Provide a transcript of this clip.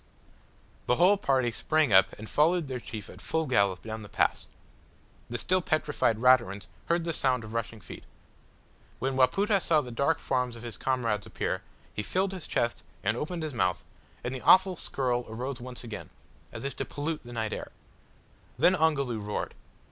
The whole party sprang up and followed their chief at full gallop down the pass. The still petrified Raturans heard the sound of rushing feet. When Wapoota saw the dark forms of his comrades appear, he filled his chest and opened his mouth, and the awful skirl arose once again, as if to pollute the night air. Then Ongoloo roared.